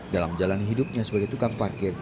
dalam jalan hidupnya sebagai tukang parkir